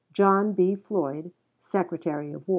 JOHN B. FLOYD, Secretary of War.